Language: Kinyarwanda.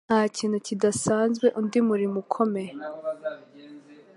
Nta kintu kidasanzwe. Undi murimo ukomeye.